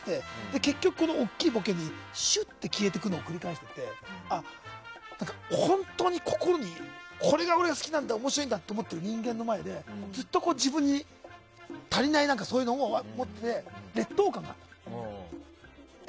結局大きいボケにしゅっと消えていくのを繰り返していて本当に、心にこれが俺は好きなんだ面白いんだって思っている人間の前で、ずっと自分に足りないそういうのもあって劣等感もあって。